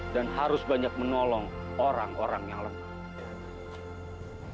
dan harus banyak menolong orang orang yang lemah